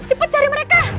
cepat cari mereka